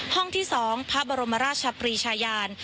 ห้องที่๒พระบรมราชปรีชายาน